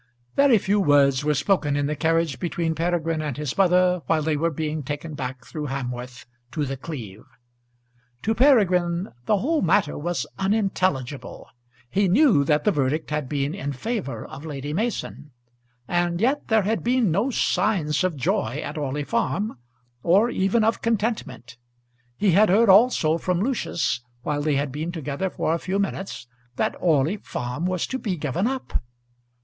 Very few words were spoken in the carriage between Peregrine and his mother while they were being taken back through Hamworth to The Cleeve. To Peregrine the whole matter was unintelligible. He knew that the verdict had been in favour of Lady Mason, and yet there had been no signs of joy at Orley Farm, or even of contentment. He had heard also from Lucius, while they had been together for a few minutes, that Orley Farm was to be given up.